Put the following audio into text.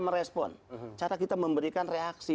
merespon cara kita memberikan reaksi